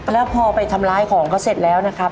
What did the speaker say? แล้วพอไปทำร้ายของเขาเสร็จแล้วนะครับ